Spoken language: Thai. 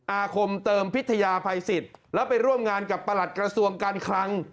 อาคมเติมพิทยาภัยสิทธิ์แล้วไปร่วมงานกับประหลัดกระทรวงการคลัง